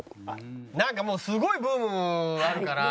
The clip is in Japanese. なんかもうすごいブームあるから。